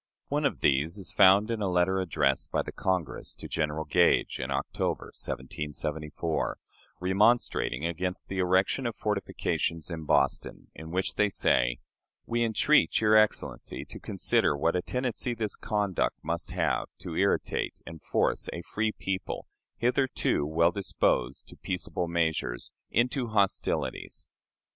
One of these is found in a letter addressed by the Congress to General Gage in October, 1774, remonstrating against the erection of fortifications in Boston, in which they say, "We entreat your Excellency to consider what a tendency this conduct must have to irritate and force a free people, hitherto well disposed to peaceable measures, into hostilities."